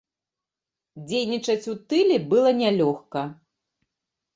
Дзейнічаць у тыле была нялёгка.